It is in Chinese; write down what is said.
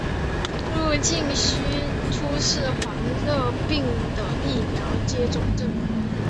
入境须出示黄热病的疫苗接种证明。